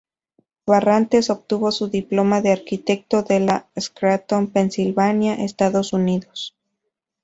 Barrantes obtuvo su diploma de arquitecto, la de Scranton, Pensilvania, Estados Unidos.